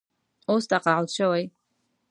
اوس تقاعد شوی.